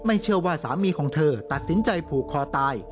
เชื่อว่าสามีของเธอตัดสินใจผูกคอตาย